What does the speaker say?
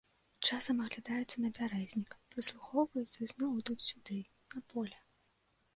Часам аглядаюцца на бярэзнік, прыслухоўваюцца і зноў ідуць сюды, на поле.